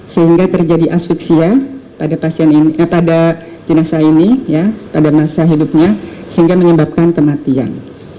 sehingga terjadi asuksia pada jenazah ini pada masa hidupnya sehingga menyebabkan kematian